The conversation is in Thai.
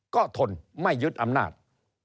ก็ทนไม่ยึดอำนาจ